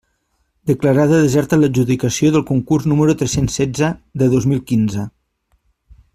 Declarada deserta l'adjudicació del concurs número tres-cents setze de dos mil quinze.